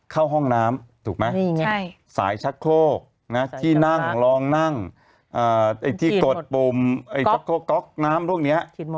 เข้าห้องน้ำถูกมั้ย